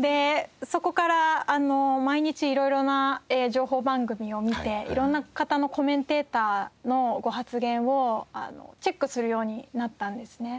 でそこから毎日色々な情報番組を見て色んな方のコメンテーターのご発言をチェックするようになったんですね。